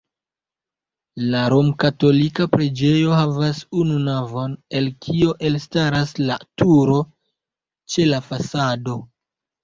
La romkatolika preĝejo havas unu navon, el kio elstaras la turo ĉe la fasado.